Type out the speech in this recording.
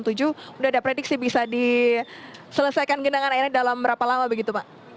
sudah ada prediksi bisa diselesaikan genangan airnya dalam berapa lama begitu pak